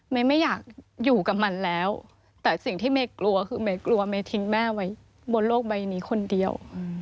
ไม่อยากอยู่กับมันแล้วแต่สิ่งที่เมย์กลัวคือเมย์กลัวเมย์ทิ้งแม่ไว้บนโลกใบนี้คนเดียว